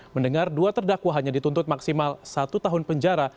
mendengar dua terdakwa hanya dituntut maksimal satu tahun penjara